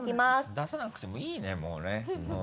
出さなくてもいいねもうね。